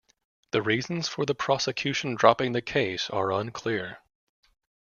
The reasons for the prosecution dropping the case are unclear.